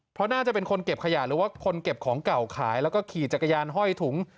เพราะน่าจะเป็นคนเก็บขยะหรือว่าคนเก็บของเก่าขายแล้วก็ขี่จักรยานห้อยถุง